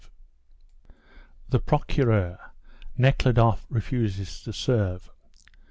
THE PROCUREUR NEKHLUDOFF REFUSES TO SERVE.